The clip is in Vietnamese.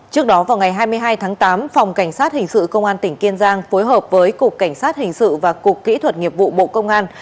trước đó vào ngày hai mươi hai tháng tám phòng cảnh sát hình sự công an tỉnh kiên giang phối hợp với cục cảnh sát hình sự và cục kỹ thuật nghiệp vụ bộ công an